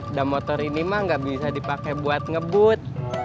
udah motor ini mah gak bisa dipakai buat ngebut